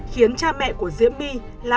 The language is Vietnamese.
khiến cha mẹ của diễm my là